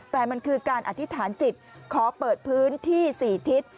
แต่มันคือการอธิษฐานจิตขอเปิดพื้นที่๔ทิศ